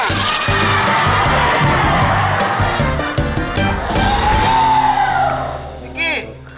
นิกกี้